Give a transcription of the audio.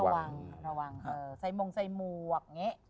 ระวังระวังใส่มงใส่หมวกอย่างนี้